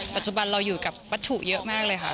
ปัจจุบันเราอยู่กับวัตถุเยอะมากเลยค่ะ